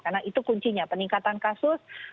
karena itu kuncinya peningkatan kasus